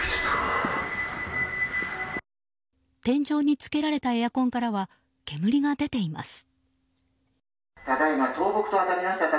天井につけられたエアコンからは、煙が出ています。